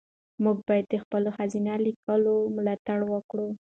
موږ باید د خپلو ښځینه لیکوالو ملاتړ وکړو.